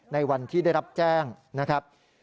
ในวันที่ได้รับแจ้งนะครับ